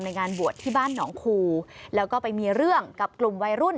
งานบวชที่บ้านหนองคูแล้วก็ไปมีเรื่องกับกลุ่มวัยรุ่น